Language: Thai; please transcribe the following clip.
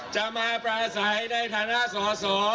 จะมาประสัยในฐานะสว